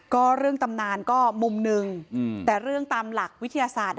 ก็เรื่องตำนานก็มุมหนึ่งแต่เรื่องตามหลักวิทยาศาสตร์